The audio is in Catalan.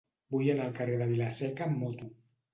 Vull anar al carrer de Vila-seca amb moto.